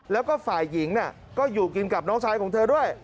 แล้วก็ฝ่ายหญิงก็อยู่กินกับน้องชายของเธอด้วย